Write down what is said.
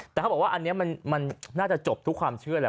แต่เขาบอกว่าอันนี้มันน่าจะจบทุกความเชื่อแหละ